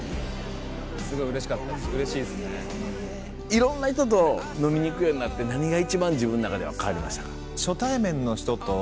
いろんな人と飲みに行くようになって何が一番自分の中では変わりましたか？